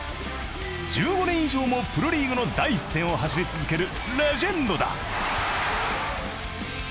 １５年以上もプロリーグの第一線を走り続けるレジェンドだ！